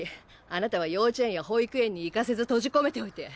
あなたは幼稚園や保育園に行かせず閉じ込めておいて。